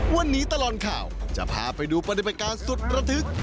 วันนี้ตลอดข่าวจะพาไปดูปฏิบัติการสุดระทึก